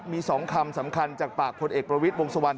มี๒คำสำคัญจากปากพลเอกประวิทย์วงสวรร